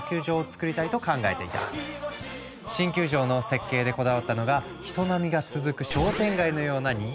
新球場の設計でこだわったのが人波が続く商店街のようなにぎわいのある空間。